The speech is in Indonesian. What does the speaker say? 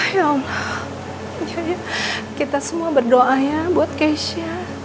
ya allah kita semua berdoa ya buat keisha